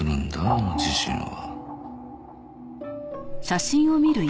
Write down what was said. あの自信は。